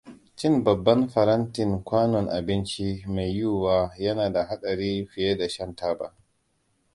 Cin babban farantin kwanon abinci mai yiwuwa yana da haɗari fiye da shan taba.